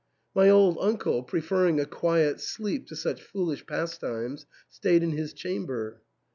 My old uncle, preferring a quiet sleep to such foolish pastimes, stayed in his chamber.